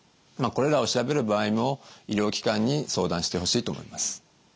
これらを調べる場合も医療機関に相談してほしいと思います。